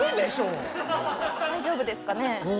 大丈夫ですかね。